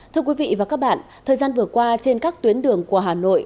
thưa quý vị và các bạn thời gian vừa qua trên các tuyến đường của hà nội